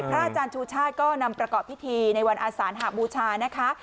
พระอาจารย์ศูชาก็นำประเกิดพิธีในวันอสารหบุชานะคะ